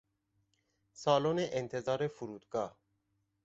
سالن انتظار فرودگاه